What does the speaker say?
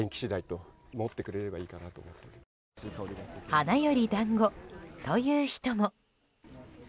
花より団子という人も。